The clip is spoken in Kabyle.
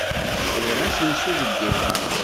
Sriɣ asensu deg yiḍ-a.